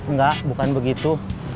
nggak bukan begitu